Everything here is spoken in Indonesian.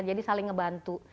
jadi saling ngebantu